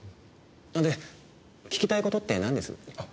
で聞きたい事ってなんです？